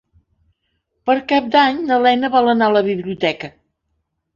Per Cap d'Any na Lena vol anar a la biblioteca.